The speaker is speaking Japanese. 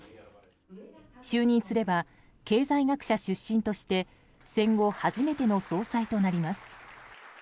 就任すれば経済学者出身として戦後初めての総裁となります。